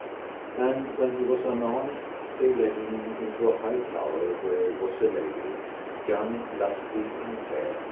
And when he was unarmed they led him into an high tower where was a lady, young, lusty, and fair.